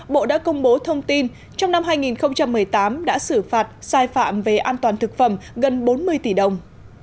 bộ đã công bố thông tin trong năm hai nghìn một mươi tám đã xử phạt sai phạm về an toàn thực phẩm gần bốn mươi tỷ đồng